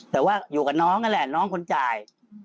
แต่ว่าอยู่กับน้องนั่นแหละน้องคนจ่าย